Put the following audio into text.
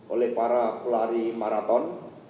oleh para pelari maraton